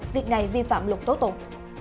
việc này vi phạm luật tố tục